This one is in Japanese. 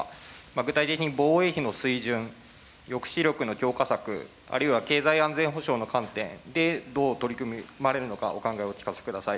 具体的に防衛費の水準、抑止力の強化策、あるいは経済安全保障の観点でどう取り組まれるのか、お考えをお聞かせください。